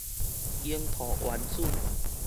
櫻桃丸子